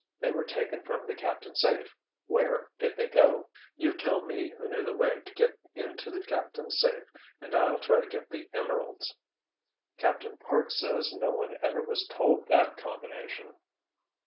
They were taken from the captain's safe—where did they go?" "You tell me who knew the way to get into the captain's safe and I'll try to get the emeralds." "Captain Parks says no one ever was told that combination."